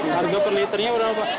harga per liternya berapa